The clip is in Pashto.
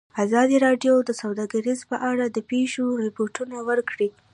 ازادي راډیو د سوداګري په اړه د پېښو رپوټونه ورکړي.